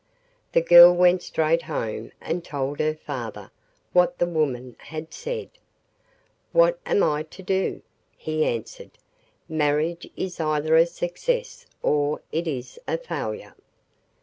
The girl went straight home and told her father what the woman had said. 'What am I to do?' he answered. 'Marriage is either a success or it is a failure.